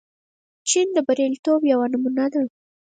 چین د بریالیتوب یوه نمونه ده.